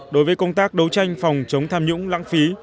đối với công tác đấu tranh phòng chống tham nhũng lãng phí